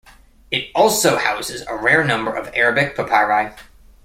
It also houses a rare number of Arabic papyri.